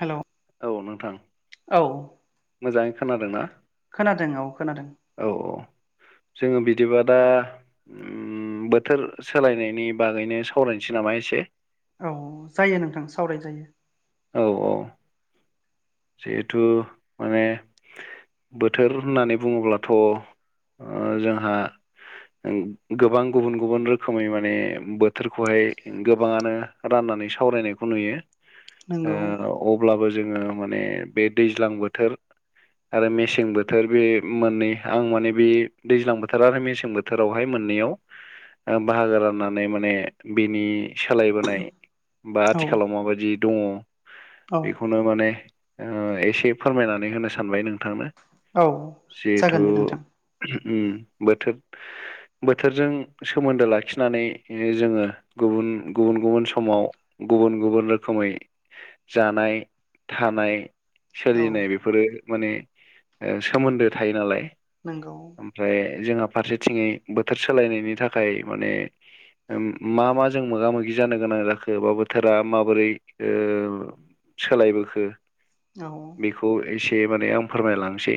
हेल'। औ नोंथां मोजाङै खोनादों ना। खोनादों औ खोनादों। औ औ जोङो बिदिबा दा उम बोथोर सोलायनायनि बागैनो सावरायनोसै नामा एसे। औ जायो नोंथां सावराय जायो। औ औ। जिहेथु माने बोथोर होननानै बुङोब्लाथ' जोंहा ओं गोबां गुबुन गुबुन रोखोमै माने बोथोरखौहाय गोबाङानो राननानै सावरायनायखौ नुयो। नंगौ अब्लाबो जोङो माने बे दैज्लां बोथोर आरो मेसें बोथोर बे मोननै आं माने बे दैज्लां बोथोर आरो मेसें बोथ बोथोरावहाय मोननैयाव ओ बाहागो राननानै माने बिनि सालायबोनाय बा औ आथिखालाव माबायदि दङ। औ बेखौनो माने ओ एसे फोरमायनानै होनो सानबाय नोंथांनो। औ जिहेथु जागोन दे नोंथां उम बोथोर बोथोरजों सोमोन्दो लाखिनानै नो जोङो गुबुन गुबुन गुबुन समाव गुबुन गुबुन रोखोमै। जानाय थानाय औ सोलिनाय बेफोरो माने ओ सोमोन्दो थायो नालाय। नोंगौ। ओमफ्राय जोङा फारसेथिङै बोथोर सोलायनायनि थाखाय माने मा मा जों मोगा मोगि जानो गोनां जाखो बा बोथोरा माबोरै ओ सोलायबोखो। औ। इखौ एसे माने आं फोरमालांसै।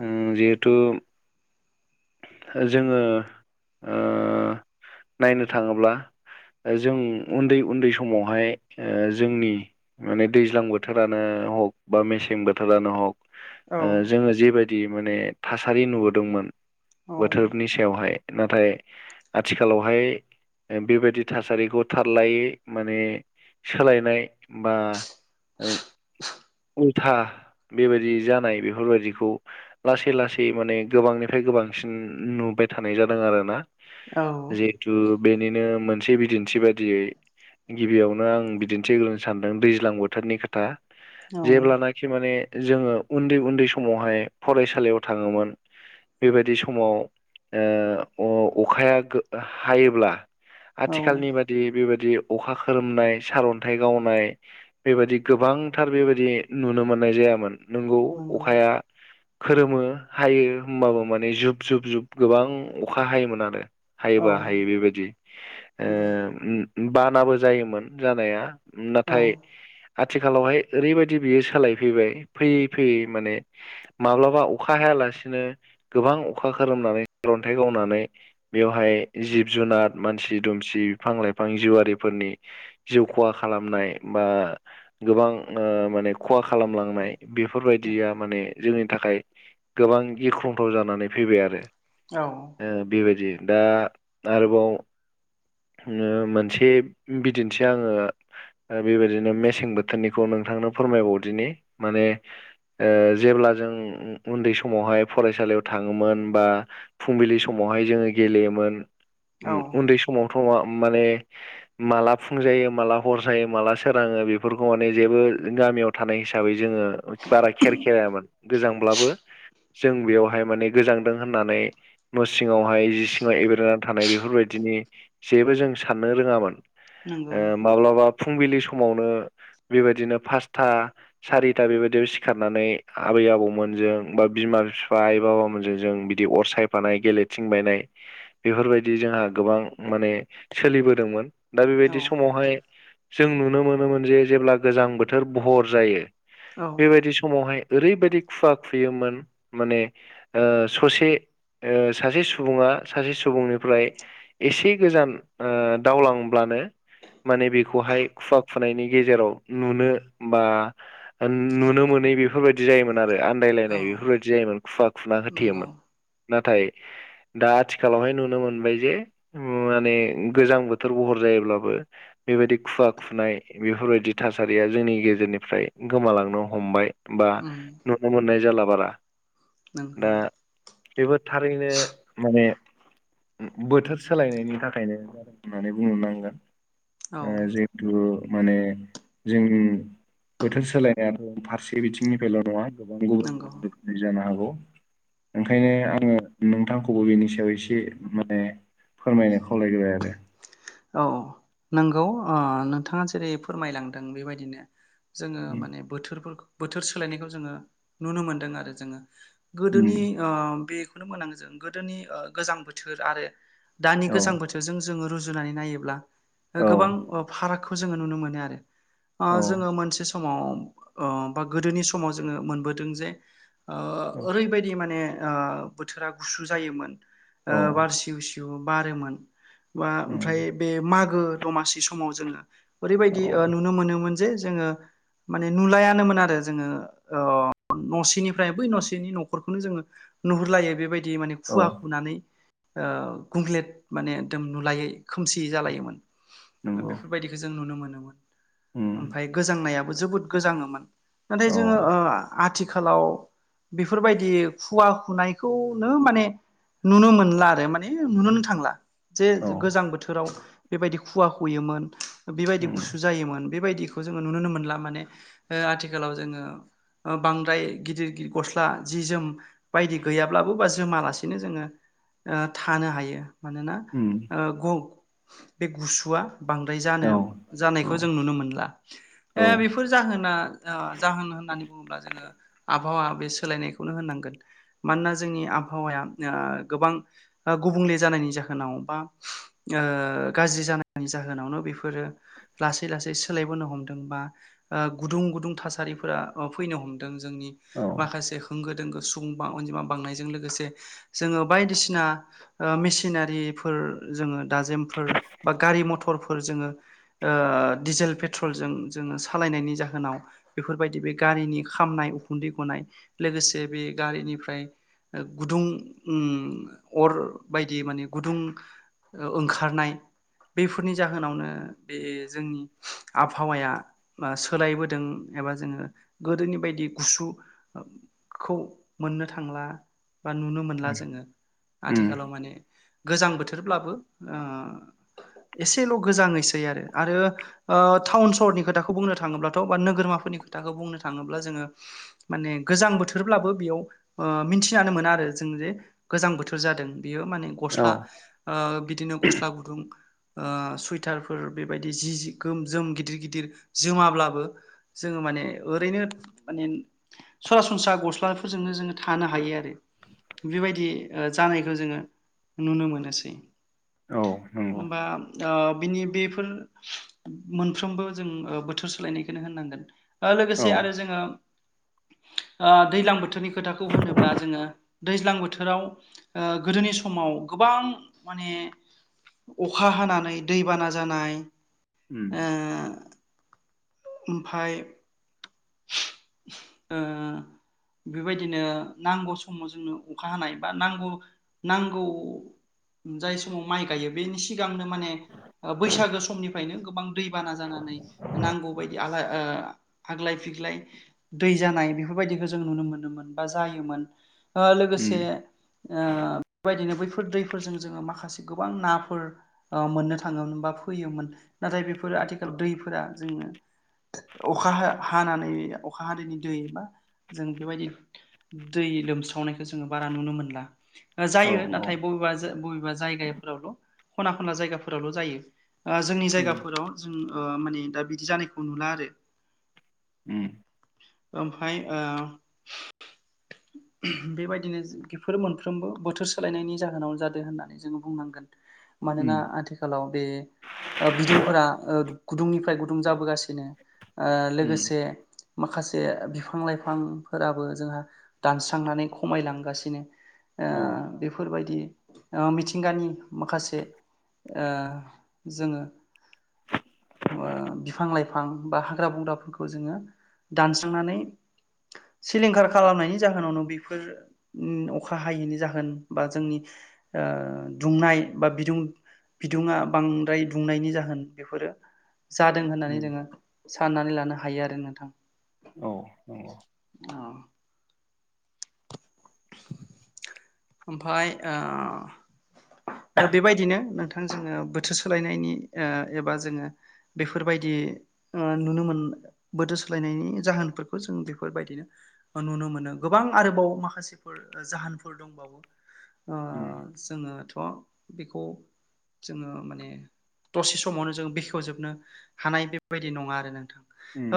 ओ जिहेथु जोङो ओ नायनो थाङोब्ला जों उन्दै उन्दै समावहाय जोंनि माने दैज्लां बोथोरानो हग बा मेसें बोथोरानो हक औ जोङो जेबायदि माने थासारि नुबोदोंमोन। औ बोथोरनि सायावहाय। नाथाय आथिखालावहाय ओ बे बायदि थासारिखौ थारलायै माने सोलायनाय बा ओ उम। था बेबायदि जानाय बेफोरबायदिखौ लासै लासै माने गोबांनिफ्राय गोबांसिन नुबाय थानाय जादों आरो ना। औ जिहेथु बेनिनो मोनसे बिदिन्थि बादियै गिबियावनो आं बिदिन्थि होनो सानदों दैज्लां बोथोरनि खोथा औ जेब्लाना खि माने जोङो उन्दै उन्दै समावहाय फरायसालियाव थाङोमोन। बेबायदि समाव ओ अ अखाया गो हायोब्ला औ आथिखालनि बादि बेबादि अखा खोरोमनाय सारन्थाइ गावनाय बेबायदि गोबांथार बेबायदि नुनो मोननाय जायामोन। नोंगौ नंगौ अखाया खोरोमो हायो होम्बाबो माने जुब जुब जुब गोबां अखा हायोमोन आरो। हायोबा औ हायो बेबायदि ओ नंगौ उम बानाबो जायोमोन जानाया। औ नथाइ आथिखालावहाय ओरैबायदि बियो सोलायफैबाय फैयै फैयै माने माब्लाबा अखा हायालासिनो गोबां अखा खोरोमनानै सारन्थाइ गावनानै बेवहाय जिब-जुनार मानसि दुमसि बिफां लाइफां जिउआरिफोरनि जिउ खहा खालामनाय बा गोबां ओ माने खहा खालामलांनाय बेफोरबायदिया माने जोंनि थाखाय गोबां गिख्रंथाव जानानै फैबाय आरो। औ। ओ बेबायदि दा आरोबाव ओ मोनसे बिदि थि आङो ओ बेबायदिनो मेसें बोथोरनिखौ नोंथांनो फोरमायबावदिनि माने ओ जेब्ला जों उम उन्दै समावहाय फरायसालियाव थाङोमोन बा फुंबिलि समावहाय जोङो गेलेयोमोन। औ उम उन्दै समावथ' मा माने मालाब फुं जायो माला हर जायो माला सोराङो बेफोरखौ माने जेबो गामियाव थानाय हिसाबै जोङो बारा खेर खेरामोन गोजांब्लाबो जों बेयावहाय माने गोजांदों होननानै न' सिङावहाय जि सिङाव एब्रेनानै थानाय बेफोरबायदिनि जेबो जों साननो रोङामोन। नंगौ ओ माब्लाबा फुंबिलि समावनो बेबायदिनो पास्था सारिथा बेबायदियाव सिखारनानै आबै आबौमोनजों बा बिमा बिफा आइ बाबामोनजों जों बिद बिदि अर सायफानाय गेलेथिंबायनाय बेफोरबायदि जोंहा गोबां माने सोलिबोदोंमोन। दा औ बेबायदि समावहाय जों नुनो मोनोमोन जे जेब्ला गोजां बोथोर भहर जायो। औ बेबायदि समावहाय ओरैबायदि खुवा खुयोमोन माने ओ ससे ओ सासे सुबुङा सासे सुबुंनिफ्राय एसे गोजान ओ दावलां ब्लानो माने बेखौहाय खुवा खुनायनि गेजेराव नुनो बा ओन नुनो मोनै बेफोरबायदि जायोमोन आरो आन औ बायलायनाय बेफोरबायदि जायोमोन खुवा खुना नंगौ होथेयोमोन। नाथाय दा आथिखालावहाय नुनो मोनबाय जे उम माने गोजां बोथोर बहर जायोब्लाबो बेबायदि खुवा खुनाय बेफोरबायदि थासारिया जोंनि गेजेरनिफ्राय गोमालांनो हमबाय। बा उम नुनो मोननाय जाला बारा। दा नंगौ बेबो थारैनो माने बोथोर सोलायनायनि थाखायनो माने बुंनो नांगोन औ ओ जे दु माने जोंनि बोथोर सोलायनायाबो फारसे बिथिंनिफायल' नङा गोबां गुबुन नंगौ गुबुन बिदि जानो हागौ ओंखायनो आङो नोंथांखौबो बेनि सायाव एसे माने फोरमायनो खावलायग्रोबाय आरो। औ नंगौ ओ नोंथाङा जेरै फोरमायलांदों बेबायदिनो जोङो माने बोथोरफोरखो बोथोर सोलायनायखौ जोङो नुनो मोन्दों आरो जोङो। गोदोनि उम बेखौनो मोनांगो जों गोदोनि गोजां बोथोर आरो दानि औ गोजां बोथोरजों जोङो रुजुनानै नायोब्ला औ गोबां फारागखौ जोङो नुनो मोनो आरो औ जोङो मोनसे समाव बा गोदोनि समाव जोङो मोनबोदों जे ओ औ ओरैबायदि माने ओ बोथोरा गुसु जायोमोन औ ओ बार सिव सिव जु बारोमोन बा ओमफ्राय उम बे मागो दमासि समाव जोङो। औ ओरैबायदि नुनो मोनोमोन जे जोङो माने नुलायानोमोन आरो जोङो ओअ न'सेनिफ्राय बै न'सेनि न'खरखौनो जोङो नुहुरलायो बेबायदि माने औ खुवा खुनानै गुंग्लेट माने एकदम नुलायै खोमसियै जालायोमोन नंगौ बेफोरबायदिखो जों नुनो मोनोमोन उम ओमफाय गोजांनायाबो जोबोद गोजाङोमोन। नाथाय औ जोङो आथिखालाव बेफोरबायदि खुवा खुनायखौनो माने नुनो मोनला आरो माने नुनो थांला जे औ गोजां बोथोराव बेबायदि खुवा खुयोमोन बेबायदि उम गुसु जायोमोन बेबायदिखौ जोङो नुोननो मोनला माने आथिखालाव जोङो बांद्राय गिदिर गिदिर गस्ला जि जोम बायदि गैयाब्लाबो बा जोमालासेनो जोङो थानो हायो मानोना उम ओ ग बे गुसुआ बांद्राय जानो औ जानायखौ जों नुनो मोनला औ बेफोर जाहोना जाहोन होननानै बुङोब्ला जोङो आबहावा बे सोलायनायखौनो होनांगोन मानोना जोंनि आबहावाया गोबां गुबुंले जानायनि जाहोनाव बा गाज्रि जानायनि जाहोनावनो बेफोरो लासै लासै सोलायबोनो हमदों बा गुदुं गुदुं थासारिफोरा फैनो हमदों जोंनि औ माखासे ोंगो सुबुं अनजिमा बांनायजों लोगोसे जोङो बायदिसिना मेसिनारिफोर जोङो दाजेमफोर बा गारि मथरफोर जोङो डिजेल पेट्रलजों जोङो सालायनायनि जाहोनाव बेफोरबायदि बे गारिनि खामनाय उखुन्दै गनाय लोगोसे बे गारिनिफ्राय गुदुं उम अर बायदि माने गुदुं ओंखारनाय बेफोरनि जाहोनावनो बे जोंनि आबहावाया सोलायबोदों एबा जोङो गोदोनि बायदि गुसु खौ मोननो थांला बा नुनो उम मोनला जोङो आथिखालाव माने गोजां बोथोरब्लाबो एसेल' गोजाङसै आरो आरो टाउन सहरनि खोथाखौ बुंनो थाङोब्लाथ' बा नोगोरमाफोरनि खोथाखौ बुंनो थाङोब्ला जोङो माने गोजां बोथोरब्लाबो बेयाव मिथिानो मोना आरो जों जे गोजां बोथोर फोर जादों बेयो माने औ गस्ला बिदिनो गस्ला गुदुं सुइटारफोर बेबायदि जि गोम जोम गिदिर गिदिर जोमाब्लाबो जोङो माने ओरैनो माने सरासनस्रा गस्लाफोरजोंनो जोङो थानो हायो आरो बेबायदि जानायखौ जोङो नुनो मोनोसै औ नंगौ हबा बिनि बेफोर मोनफ्रोमबो जों बोथोर सोलायनायखौनो होननांगोन लोगोसे आरो औ जोङो दैज्लां बोथोरनि खोथाखौ होनोब्ला जोङो दैज्लां बोथोराव ओ गोदोनि समाव गोबां माने अखा हानानै दैबाना जानाय उम ओमफफ्राय उम बेबायदिनो नांगौ समाव जोंनो अखा हानाय बा नांगौ नांगौ जाय समाव माइ गायो बेनि सिगांनो माने बैसागो समनिफ्रायनो गोबां दै बाना जानानै नांगौ बायदि आलाय ओ आग्लाय फि- ग्लाय दै जानाय बेफोरबायदिखौ जों नुनो मोनोमोन बा जायोमोन। ओ लोगोसे उम ओ बेबायदिनो बैफोर दैफोरजों जोङो माखासे गोबां नाफोर ओ मोननो थाङोमोन बा फैयोमोन नाथाय बेफोरो आथिखाल दैफोरा जोंनो अखा हा-हानानै अखा हादैनि दै बा जों बेबायदि दै लोमस्रावनायखौ जोङो बारा नुनो मोनला। औ जायो नाथाय बबेबा बबेबा जायगाफोरावल' खना-खनला जायगाफोरावल' जायो। ओ जोंनि उम जायगाफोराव जों ओ माने दा बिदि जानायखौ नुला आरो उम ओमफाय ओ बेबायदिनो बेफोर मोनफ्रोमबो बोथोर सोलायनायनि जाहोनावनो जादों होननानै जोङो बुंनांगोन। मानोना उम आथिखालाव बे ओ बिदुंफोरा ओ गुदुंनिफ्राय गुदुं जाबोगासिनो ओ उम लोगोसे माखासे बिफां-लाइफांफोराबो जोंहा दानस्रांनानै खमायलांगासिनो ओ औ बे- फोरबायदि ओ मिथिंगानि माखासे ओ जोङो ओ बिफां-लाइफां बा हाग्रा बंग्राफोरखौ खौ जोङो दानस्रांनानै सिलिंखार खालामनायनि जाहोनावनो बेफोर उम अखा हायैनि जाहोन बा जोंनि ओ दुंनाय बा बिदुं बिदुङा बांद्राय दुंनायनि जाहोन बेफोरो जादों होननानै उम जोङो साननानै लानो हायो आरो नोंथां। औ नंगौ औ ओमफाय ओ बेबायदिनो नोंथां जोङो बोथोर सोलायनायनि ओ एबा जोङो बेफोरबायदि नुनो मोन बोथोर सोलायनायनि जाहोनफोरखौ जों बेफोरबायदिनो नुनो मोनो गोबां आरोबाव माखासेफोर जाहोनफोर दंबावो। ओ उम जोङोथ' बेखौ जोङो माने दसे समावनो जों बेखेवजोबनो हानाय बेफोरबायदि नङा आरो नोंथां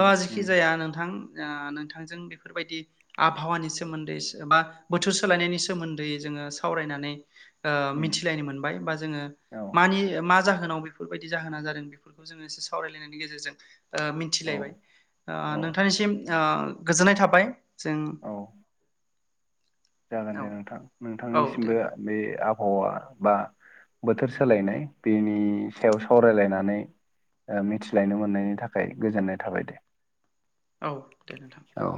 ओ जेखि उम जाय नोंथां ओ नोंथांजों बेफोरबायदि आबहावानि सोमोन्दै बा बोथोर सोलायनायनि सोमोन्दै जोङो सावरायनानै ओ उम मिथिलायनो मोनबाय बा जोङो औ मानि मा जाहोनाव बेफोरबायदि जाहोना जादों बेफोर- खौ जोङो एसे सावरायलायनायनि गेजेरजों ओ औ मोनथिलायबाय। ओ औ नोंथांनिसिम ओ गोजोननाय थाबाय। जों औ जागोन औ दे नोंथां औ दे नोंथांनिसिमबो होमबा बे आबहावा बा बोथोर सोलायनाय बेनि सायाव सावरायलायनानै ओ मिथिलायनो मोननायनि थाखाय गोजोननाय थाबाय दे। औ दे नोंथां औ